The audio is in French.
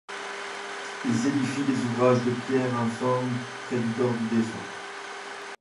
Ils édifient des ouvrages de pierre informes près du corps du défunt.